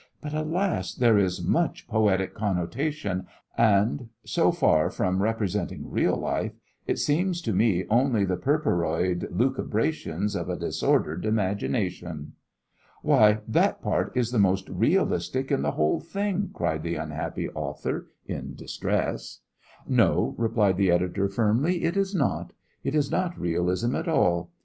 But, alas! there is much poetic connotation, and, so far from representing real life, it seems to me only the perperoid lucubrations of a disordered imagination." "Why, that part is the most realistic in the whole thing!" cried the unhappy author, in distress. "No," replied the editor, firmly, "it is not. It is not realism at all.